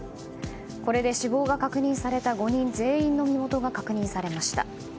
これで死亡が確認された５人全員の身元が確認されました。